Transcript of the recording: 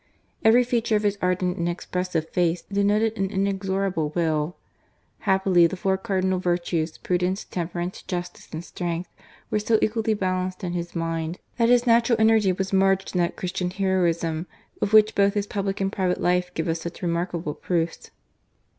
Every feature of his ardent and expressive face denoted an inexorable will. Happily, the four cardinal virtues, prudence, temperance, justice, and strength,' were so equally balanced in his mind that his natural energy was merged in that Christian heroism of which both his public and private life give us such remarkable proofs.